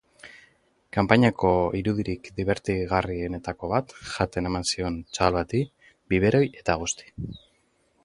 Kanpainako irudirik dibertigarrienetako bat jaten eman zion txahal bati, biberoi eta guzti.